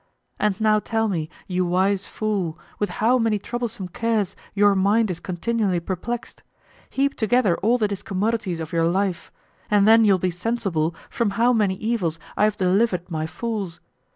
And now tell me, you wise fool, with how many troublesome cares your mind is continually perplexed; heap together all the discommodities of your life, and then you'll be sensible from how many evils I have delivered my fools.